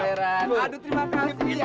iya aduh terima kasih